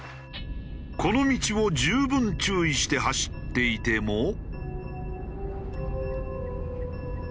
この道を十分注意して走っていても。